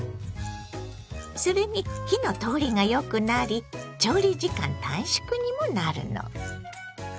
それに火の通りがよくなり調理時間短縮にもなるの。